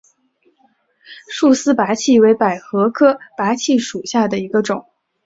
束丝菝葜为百合科菝葜属下的一个种。